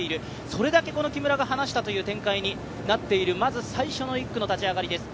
それだけこの木村が離したという展開になっている、まず最初の１区の立ち上がりです。